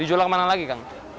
dijual kemana lagi kang